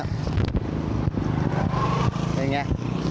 อย่างนี้